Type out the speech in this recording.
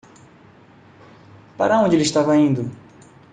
Para onde ele estava indo?